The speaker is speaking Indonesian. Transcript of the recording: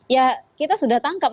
ya kita sudah tangkap